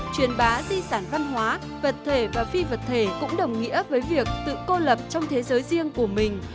truyền bá di sản văn hóa vật thể và phi vật thể cũng đồng nghĩa với việc tự cô lập trong thế giới riêng của mình